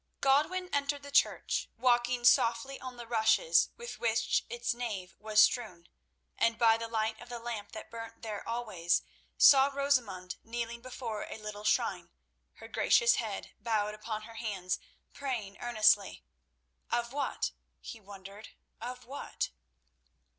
Godwin entered the church, walking softly on the rushes with which its nave was strewn, and by the light of the lamp that burnt there always, saw Rosamund kneeling before a little shrine, her gracious head bowed upon her hands, praying earnestly. Of what, he wondered—of what?